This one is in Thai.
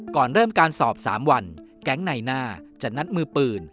ก่อนเริ่มการสอบ๓วันแก๊งในหน้าจะนัดมือปืน